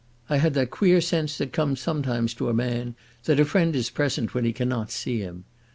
I had that queer sense that comes sometimes to a man that a friend is present when he cannot see him.